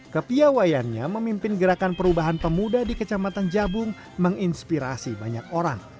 kepiawayannya memimpin gerakan perubahan pemuda di kecamatan jabung menginspirasi banyak orang